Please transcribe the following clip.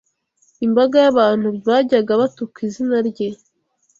Imbaga y’abantu bajyaga batuka izina rye